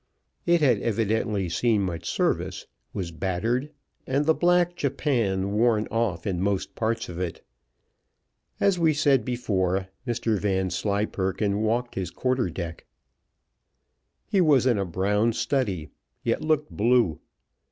It had evidently seen much service, was battered, and the clack Japan worn off in most parts of it. As we said before, Mr Vanslyperken walked his quarter deck. He was in a brown study, yet looked blue.